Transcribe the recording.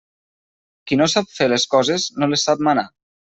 Qui no sap fer les coses no les sap manar.